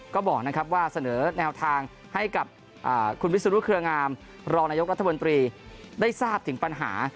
ก็บอกนะครับว่าเสนอแนวทางให้กับคุณวิศนุเครืองามรองนายกรัฐมนตรีได้ทราบถึงปัญหา